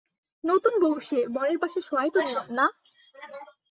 নতুন বৌ সে, বরের পাশে শোয়াই তো নিয়ম, না?